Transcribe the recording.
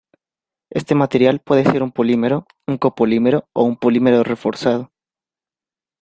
Este material puede ser un polímero, un copolímero o un polímero reforzado.